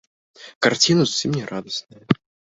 Карціна зусім не радасная.